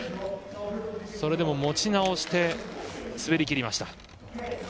それでも持ち直して滑りきりました。